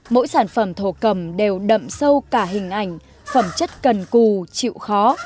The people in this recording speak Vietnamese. mỗi sản phẩm thổ cầm đều đậm sâu cả hình ảnh phẩm chất cần cù chịu khó